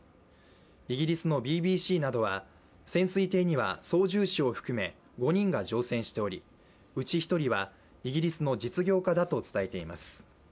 イギリスのＢＢＣなどは潜水艇には操縦士を含め５人が乗船しており、うち１人はイギリスの実業家だと伝えています。